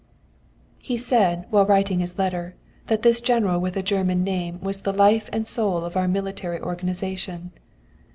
] "He said, while he was writing this letter, that this General with a German name was the life and soul of our military organization.